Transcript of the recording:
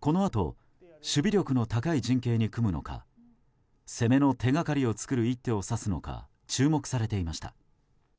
このあと守備力の高い陣形に組むのか攻めの手がかりを作る一手を指すのか注目されていました。